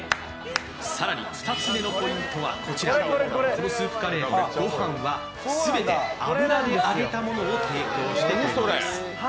更に２つ目のポイントはこちら、このスープカレーのご飯は全て油で揚げたものを提供しているんです。